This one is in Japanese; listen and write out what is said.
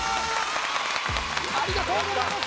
ありがとうございます！